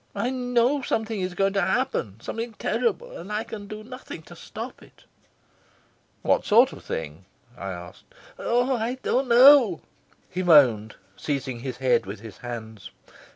I know something is going to happen, something terrible, and I can do nothing to stop it." "What sort of thing?" I asked. "Oh, I don't know," he moaned, seizing his head with his hands.